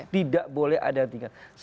tidak boleh ada yang tinggal